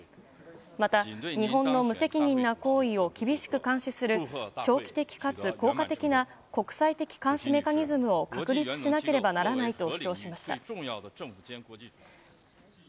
また、日本の無責任な行為を厳しく監視する長期的かつ効果的な国際的監視メカニズムを確立しなければならないと主張しました。